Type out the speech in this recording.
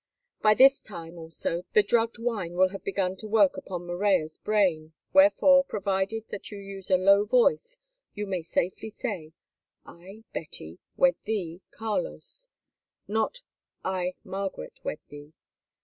By this time also the drugged wine will have begun to work upon Morella's brain, wherefore, provided that you use a low voice, you may safely say, 'I, Betty, wed thee, Carlos,' not 'I, Margaret, wed thee.